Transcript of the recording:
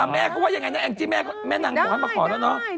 แม่เขาว่ายังไงนะแองจี้แม่นางขอให้มาขอแล้วเนอะ